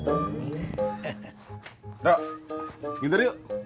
bro bintur yuk